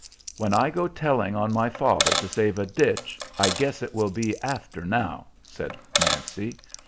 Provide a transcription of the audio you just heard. "When I go telling on my father to save a ditch, I guess it will be after now," said Nancy.